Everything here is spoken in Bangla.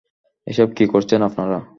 এসব কী করছেন আপনারা?